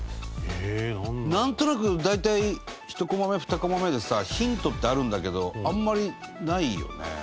伊達：なんとなく、大体１コマ目、２コマ目でさヒントってあるんだけどあんまりないよね。